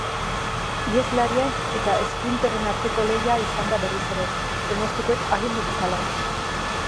Iheslarien eta esprinterren arteko lehia izan da berriz ere, pronostikoek agindu bezala.